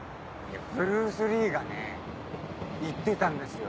ブルース・リーがね言ってたんですよ。